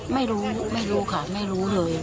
ไม่รู้ไม่รู้ค่ะไม่รู้เลย